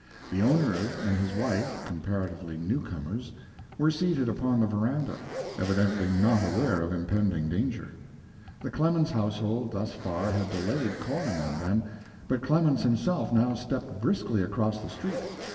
The owner and his wife, comparatively newcomers, were seated upon the veranda, evidently not aware of impending danger. The Clemens household thus far had delayed calling on them, but Clemens himself now stepped briskly across the street.